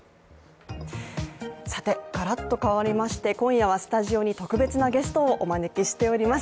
がらっと変わりまして、今夜はスタジオに特別なゲストをお招きしております。